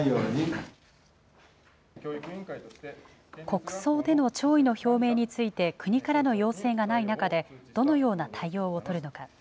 国葬での弔意の表明について、国からの要請がない中で、どのような対応を取るのか。